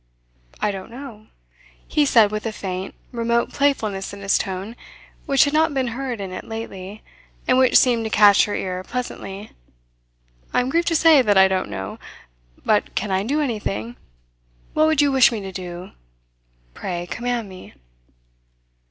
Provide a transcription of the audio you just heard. "I don't know," he said with a faint, remote playfulness in his tone which had not been heard in it lately, and which seemed to catch her ear pleasantly. "I am grieved to say that I don't know. But can I do anything? What would you wish me to do? Pray command me."